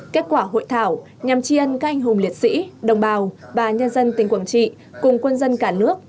kết quả hội thảo nhằm tri ân các anh hùng liệt sĩ đồng bào và nhân dân tỉnh quảng trị cùng quân dân cả nước